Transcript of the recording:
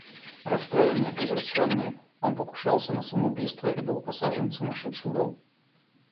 Растроенный, огорченный, он покушался на самоубийство и был посажен в сумашедший дом.